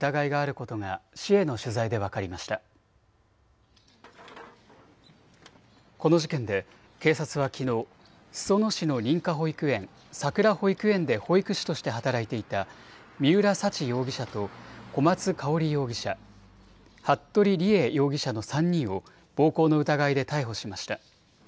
この事件で警察はきのう裾野市の認可保育園さくら保育園で保育士として働いていた三浦沙知容疑者と小松香織容疑者、服部理江容疑者の３人を暴行の疑いで逮捕しました。